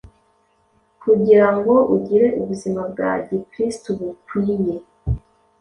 kugira ngo ugire ubuzima bwa gikristo bukwiye.